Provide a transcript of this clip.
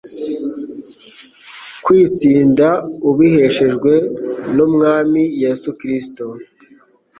kwitsinda ubiheshejwe n'Umwami Yesu Kristo.